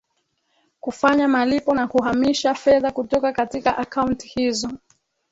kufanya malipo na kuhamisha fedha kutoka katika akaunti hizo